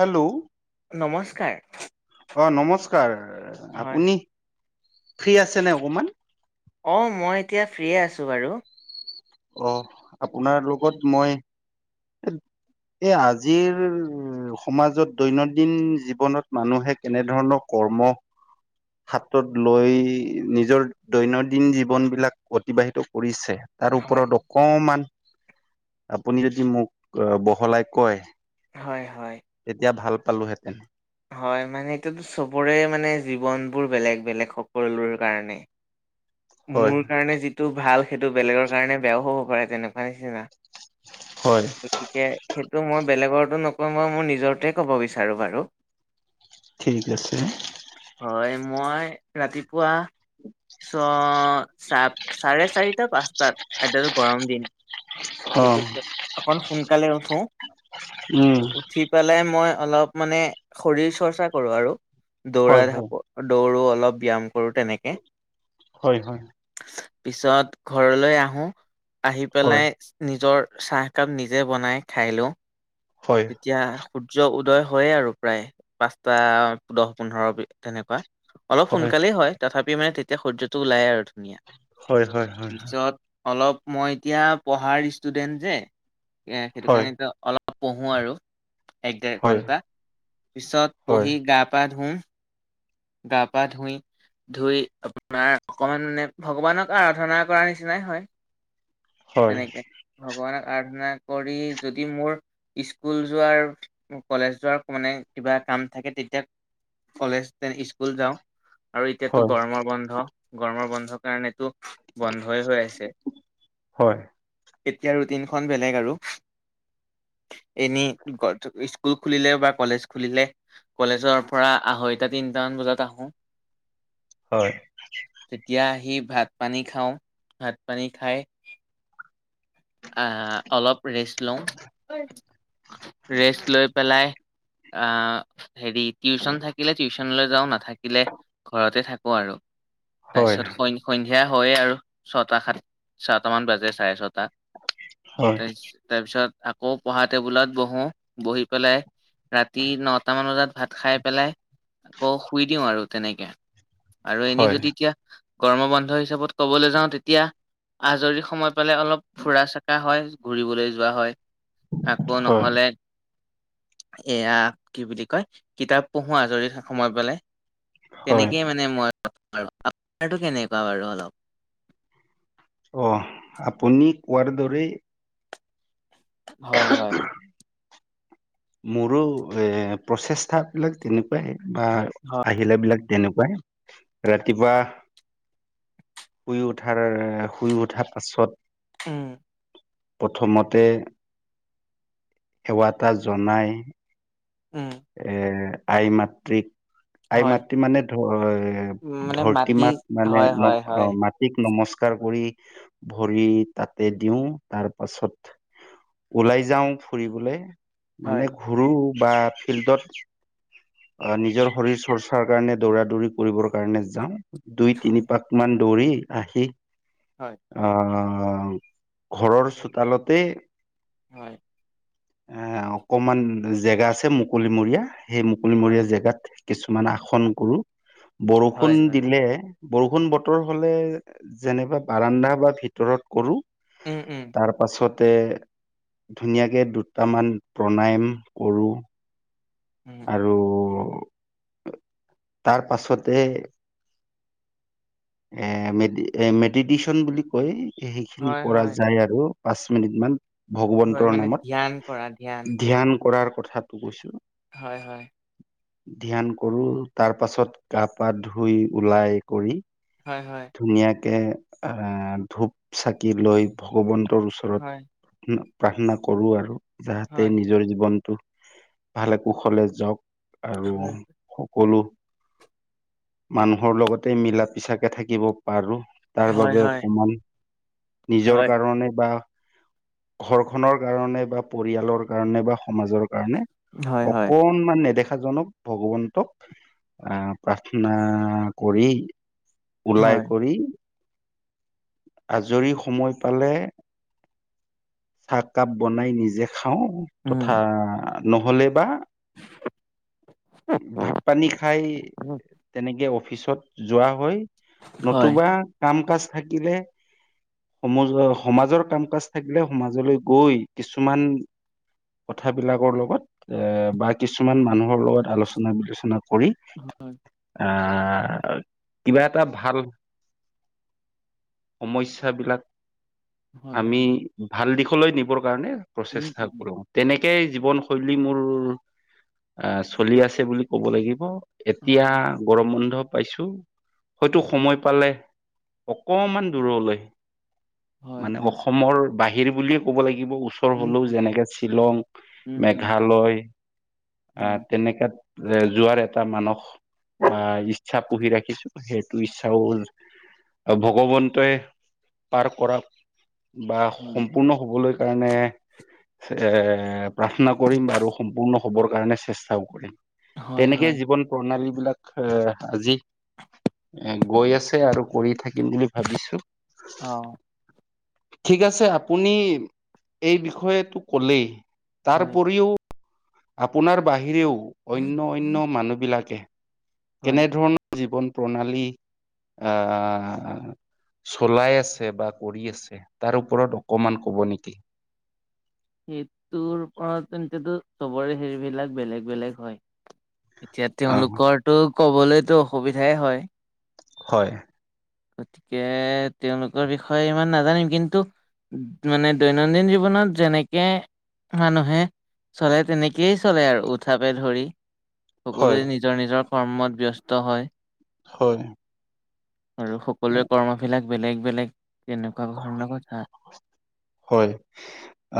Hello নমস্কাৰ অ নমস্কাৰ হয় আপুনি ফ্ৰী আছে নে অকমান অঁ মই এতিয়া ফ্ৰী আছোঁ বাৰু অ আপোনাৰ লগত মই এ আজিৰ সমাজত দৈনন্দিন জীৱনত মানুহে কেনেধৰণৰ ক কৰ্ম হাতত লৈ নিজৰ দৈনন্দিন জীৱন বিলাক অতিবাহিত কৰিছে তাৰ হয়, ওপৰত অকমান আপুনি যদি মোক বহলাই কয় হয়, হয়। এতিয়া ভাল পালোহেঁতেন হয় মানে এটোতো চবৰে মানে জীৱন বোৰ বেলেগ বেলেগ সকলোৰ কাৰণে হয় মোৰ কাৰণে যিটো ভাল সেইটো বেলেগৰ কাৰণে বেয়াও হ'ব পাৰে তেনেকুৱা নিচিনা হয় গতিকে সেইটো মই বেলেগৰো নকওঁ মই মোৰ নিজৰটোৱে ক'ব বিচাৰোঁ বাৰু ঠিক আছে হয় মই ৰাতিপুৱা চ চাৰে চাৰিটা পাঁচটাত আইতাতো গৰম দিন অ সেইটোত অক সোনকালে উঠো উম উঠি পেলাই মই অলপ মানে শৰীৰ চৰ্চা কৰো আৰু হয় দৌৰা হয় ধঢাপ দৌৰো অপ অলপ ব্যয়াম কৰো তেনেকে হয় হয় পিছত ঘৰলৈ আহো আহি হয় পেলাই নিজৰ চাহকাপ নিজে বনাই খাই লওঁ হয় তেতিয়া সূৰ্য উদয় হয়েই আৰু প্ৰায় পাঁচটা দহ পোন্ধৰ তেনেকুৱা অলপ সোনকালেই হয় তথাপি মানে তেতিয়া সূৰ্যটো ওলাই আৰু হয় হয় হয় পিছত অলপ মই এতিয়া পঢ়াৰ ষ্টুডেন্ট যে এ সেইটো হয় কাৰণেো অলপ পঢ়ো আৰু এক ডেৰ হয় ঘন্টা পিছত হয় পঢ়ি গা পা ধুম গা পা ধুই ধুই আপোনাৰ অকমান মানে ভগৱানক আৰাধনা কৰাৰ নিচিনাই হয় হয় তেনেকে ভগৱানক ত ধনা কৰি যদি মোৰ স্কুল যোৱাৰ কলেজ যোৱাৰ মানে কিবা। কাম থাকে তেতিয়া কলেজ স্কুল যাওঁ আৰু এতিয়াতো হয় গৰমৰ বন্ধ, গৰমৰ বন্ধ কাৰণেতো। বন্ধই হৈ আছে। হয় এতিয়া ৰুটিনখন বেলেগ আৰু- [unintelligible] এনে স্কুল খুলিলে বা কলেজ খুলিলে কলেজৰ পৰা আহ- দুটা তিনটামান বজাত আহো। হয় তেতিয়া আহি- ভাত পানী খাওঁ। ভাত পানী খাই- আহ অলপ ৰেষ্ট লওঁ, ৰেষ্ট লৈ পেলাই- আহ হেৰি টিউচন থাকিলে টিউচনলৈ যাওঁ। নাথাকিলে ঘৰতে থাকো আৰু হয় তাৰপিছত সন্ধিয়া হয় আৰু ছয়টা সাত ছয়টা মান বাজে চাৰে ছটা- হয় তাৰপিছত আকৌ পঢ়া টেবুলত বহো বহি পেলাই। ৰাতি নটামান বজাত ভাত খাই পেলাই- আকৌ শুই দিওঁ, আৰু তেনেকে আৰু এনে হয় যদি এতিয়া। গৰম বন্ধ হিচাপত কবলৈ যাওঁ। তেতিয়া আজৰি সময় পালে অলপ ফুৰা চকা হয় ঘূৰিবলৈ যোৱা হয়। আকৌ হয় নহ'লে এয়া কি বুলি কয় কিতাপ পঢ়ো আজৰি সময় পালে। হয় তেনেকেই মানে মই আপোনাৰটো কেনেকুৱা বাৰু অলপ অ আপুনি কোৱাৰ দৰে- হয়, হয়। মোৰো এ প্ৰচেষ্টা বিলাক তেনেকুৱাই বা হয় আহিলে বিলাক। তেনেকুৱাই ৰাতিপুৱা। শুই উঠাৰ, শুই উঠাৰ পাছত। উম। প্ৰথমতে সেৱা এটা জনাই। উম এ আই মাতৃক আই হয় মাতৃ মানে ধ মানে মাটি ধৰতিমাক মানে হয় ন হয় হয় মাটিক নমস্কাৰ। ভৰি পৰি কৰি ভৰি তাতে দিওঁ, তাৰ পাছত। ওলাই যাওঁ ফুৰিবলে মানে হয় ঘূুৰো বা ফিল্ডত নিজৰ শৰীৰ চৰ্চাৰ কাৰণে দৌৰা দৌৰি কৰিবৰ কাৰণে যাওঁ। দুই তিনি হয় পাক মান দৌৰি আহি আহ আহ ঘৰৰ চোতালতে। হয়। এ অকমান জেগা আছে। মুকলিমৰিয়া সেই হয় মুকলিমৰীয়া জেগাত। কিছুমান আসন কৰো, হয় বৰষুণ হয় হয় দিলে। বৰষুণ বতৰ হ'লে যেনেবা বাৰাডা বা ভিতৰত কৰো। উম উম তাৰ পাছত তাতে ধুনীয়াকে দুটামান প্ৰাণায়াম কৰোঁ। উম আৰু তাৰ পাছতে। এ ম এ মেডিটেশচন বুলি কৈ সেইখিনি হয় কৰা হয় যায় আৰু। পাঁচ মিনিট মান হয় ভগৱন্তৰ মানে ধ্যান কৰা নামত ধ্যান কৰাৰ কথাটো কৈছিলো। হয়, হয়। ধ্যান কৰো তাৰ পাছত গা পা ধুই ওলাই কৰি। হয়, হয়। ধুনীয়াকে আহ ধূপ চাকি লৈ ভগৱন্তৰ ওচৰত। হয় প্ৰাৰ্থনা কৰো আৰু যাহতে হয় নিজৰ জীৱনটো ভালে কুশলে যাওঁক। আৰু সকলো মানুহৰ লগতে মিলাত। পিছাকে থাকিব পাৰো তাৰ হয় বাবে হয় অকমান নিজৰ হয় কাৰণে বা ঘৰখনৰ কাৰণে বা পৰিয়ালৰ কাৰণে বা সমাজৰ কাৰণে হয় হয় অকনমান নেদেখাজনক ভগৱন্তক আহ প্ৰাৰ্থনা কৰি ওলাই হয় কৰি আজৰি সময় পালে চাহকাপ বনাই নিজে খাওঁ উম তথা নহলে বা ভাত পানী খাই তেনেকে অফিচত যোৱা হয় হয় নতুবা কাম কাচ থাকিলে সম সমাজৰ কাম কাজ থাকিলে সমাজলৈ গৈ কিছুমান কথাবিলাকৰ লগত এ বা কিছুমান মানুহৰ লগত আলোচনা বিলোচনা কৰি আহ কিবা এটা ভাল সমস্যাবিলাক হয় আমি হয় ভাল দিশলৈ নিবৰ কাৰণে উম প্ৰচেষ্টা উম কৰোঁ তেনেক একে জীৱন শৈলী মোৰ আঁহ চলি আছে বুলি ক'ব লাগিব এতিয়া হয় গৰম বন্ধ পাইছো হয়তো সময় পালে অকমান দূৰলৈ হয়, মানে হয়। অসমৰ বাহিৰ বুলিয়ে ক'ব লাগিব থাকিব ওচৰ উম, হলেও যেনেকে শ্বিলং উম, উম, মেঘালয় আহ হয়, তেনেকাত এ যোৱাৰ এটা মানস বা ইচ্ছা পু়হি ৰাখিছো সেইটো ইচ্ছাও ভগৱন্তই পাৰ কৰা বা হয়। সম্পূৰ্ণ হবলৈ কাৰণে এ প্ৰাৰ্থনা কৰিম আৰু সম্পূৰ্ণ হবৰ কাৰণে চেষ্টাও কৰিম হয়, তেনেকে হয়। জীৱন প্ৰণালী বিলাক এ আজি এ গৈ আছে আৰু কৰি থাকিম বুলি ভাবিছো অ', ঠিক আছে আপুনি এই বিষয়টো কলেই হয়, তাৰপৰিও আপোনাৰ বাহিৰেও অন্য অন্য মানুহ বিলাকে হয়। কেনেধৰণৰ জীৱন প্ৰণালী আহ চলাই আছে বা কৰি আছে তাৰ ওপৰত অকমান ক'ব নেকি সেইটোৰ পৰা তেন্তো চবৰে সেইবিলাক বেলেগ বেলেগ হয় এতিয়া অ তেওঁলোকৰটো কবলৈতো অসুবিধাই হয় হয় গতিকে তেওঁলোকৰ বিষয়ে ইমান নাজানিম কিন্তু মানে দৈনন্দিন জীৱনত যেনেকে মানুহে চলে তেনেকেই চলে আৰু উঠাপে ধৰি সকলোৱে হয় নিজৰ নিজৰ কৰ্মত ব্যস্ত হয় হয় আৰু সকলোৰে কৰ্মবিলাক বেলেগ বেলেগ [unintelligible] হয়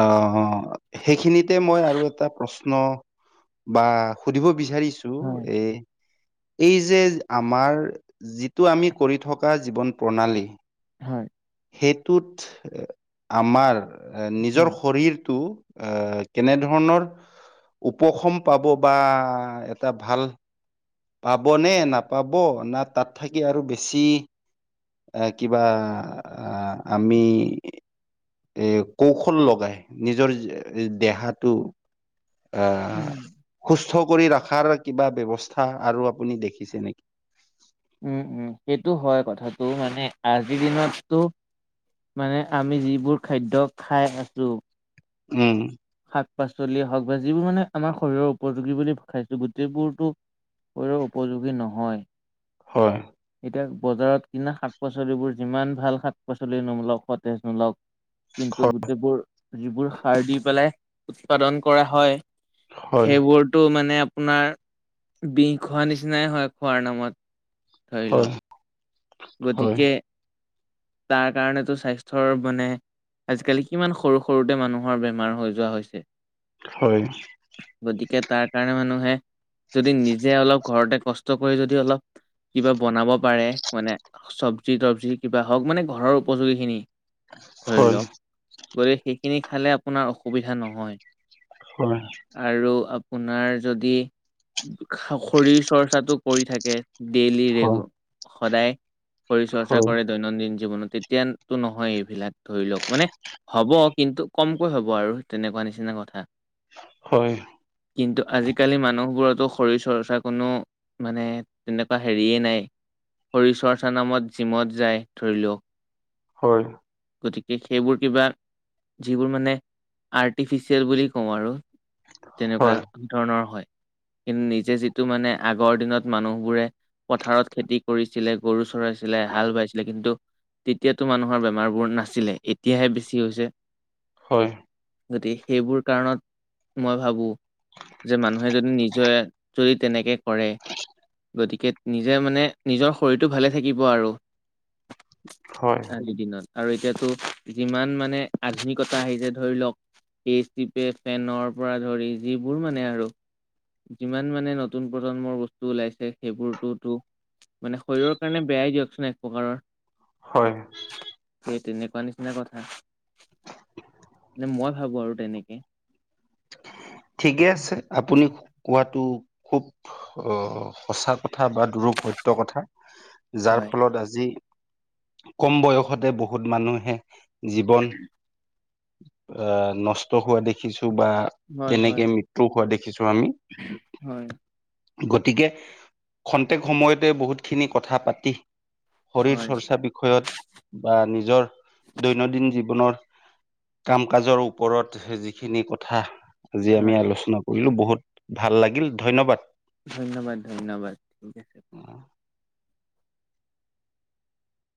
আহ সেইখিনিতে মই আৰু এটা প্ৰশ্ন প্ৰশ্ন বা সুধিব বিচাৰিছো হয়, এই এই যে আমাৰ যিটো আমি কৰি থকা জীৱন প্ৰণালী হয়, সেইটোত আমাৰ হয়। নিজৰ শৰীৰটো আহ কেনেধৰণৰ উপশম পাব বা এটা ভাল পাব নে নাপাব না তাত থাকি আৰু বেছি এ কিবা আহ আমি এ কৌশল লগাই নিজৰ দেহাটো উম, আহ সুস্থ কৰি ৰখাৰ কিবা ব্যৱস্থা আৰু আপুনি দেখিছে নেকি উম উম সেইটো হয় কথাটো মানে আজিৰ দিনতো মানে আমি যিবোৰ খাদ্য খাই আছো উম শাক পাচলি হওক বা যিবোৰ মানে আমাৰ শৰীৰৰ উপযোগী বুলি খাইছো গোটেইবোৰতো শৰীৰৰ উপযোগী নহয় হয় এতিয়া বজাৰত কিনা শাক পাচলিবোৰ যিমান ভাল শাক পাচলি নোমোক সতেজ নোলওক কিন্তু হয় গোটেইবোৰ যিবোৰ সাৰ দি পেলাই উৎপাদন কৰা হয় হয় সেইবোৰতটো মানে আপোনাৰ বিষ খোৱা নিচিনাই হয় খোৱাৰ নামত ধৰি লওক হয় গতিকে তাৰ কাৰণেতটো স্বাস্থ্যৰ মানে আজিকালি কিমান সৰু সৰুতে মানুহৰ বেমাৰ হৈ যোৱা হৈছে হয় গতিকে তাৰ কাৰণে মানুহে যদি নিজে অলপ ঘৰতে কষ্ট কৰি যদি অলপ কিবা বনাব পাৰে মানে চব্জি তবজি কিবা হওক মানে ঘৰৰ উপযোগী খিনি ধৰি হয় লওক গতিকে সেইখিনি খালে আপোনাৰ অসুবিধা নহয় হয় আৰু আপোনাৰ যদি খৰীৰ চৰ্চাটো কৰি থাকে ডেইলি ৰে হয় সদায় শৰ চৰ্চা হয় কৰে দৈনন্দিন জীৱনত তেতিয়াতো নহয় এইবিলাক ধৰি লওক মানে হ'ব কিন্তু কমকৈ হ'ব আৰু তেনেকুৱা নিচিনা কথা হয় কিন্তু আজিকালি মানুহবোৰতো শৰীৰ চৰ্চা কোনো মানে তেনেকুৱা হেৰিয়েই নাই হৰি চৰ্চা নামত জিমত যায় ধৰি লওক হয় গতিকে সেইবোৰ কিবা যিবোৰ মানে আৰ্টিফিচিয়েল বুলি কওঁ আৰু তেনেকুৱা ধৰণৰ হয় কিন্তু নিজে যিটো মানে আগৰ দিনত মানুহবোৰে পথাৰত খেতি কৰিছিলে গৰু চৰাইছিলে হাল বাইছিলে কিন্তু তেতিয়াতো মানুহৰ বেমাৰবোৰ নাছিলে এতিয়াহে বেছি হৈছে হয় গতিকে সেইবোৰ কাৰণত মই ভাবো যে মানুহে যদি নিজে যদি তেনেকে কৰে গতিকে নিজে মানে নিজৰ শৰীৰটো ভালে থাকিব আৰু হয় আজিৰ দিনত আৰু এতিয়াতো যিমান মানে আধুনিকতা আহিছে ধৰি লওক এ চি পে ফেনৰ পৰা ধৰি যিবোৰ মানে আৰু যিমান মানে নতুন প্ৰজন্মৰ বস্তু ওলাইছে সেইবোৰতোতো মানে শৰীৰৰ কাৰণে বেয়াই দিয়কচোন এক প্ৰকাৰৰ হয় সেই তেনেকুৱা নিচিনা কথা মে মই ভাবো আৰু তেনেকে ঠিকে আছে আপুনি কোৱাতটো খুব আহ সঁচা কথা বা দুৰপত্য কথা যাৰ হয় ফলত আজি কম বয়সতে বহুত মানুহে জীৱন আহ নষ্ট হোৱা দেখিছো বা হয় তেনেকে হয় মৃত্যু হোৱা দেখিছো আমি হয় গতিকে খন্তেক সময়তে বহুত খিনি কথা পাতি শৰীৰ হয় চৰ্চা বিষয়ত বা নিজৰ দৈনন্দিন জীৱনৰ কাম কাজৰ ওপৰত যিখিনি কথা আজি আমি হয় আলোচনা কৰো কৰিলোঁ বহুত ভাল লাগিল ধন্যবাদ ধন্যবাদ ধন্যবাদ ঠিক আছে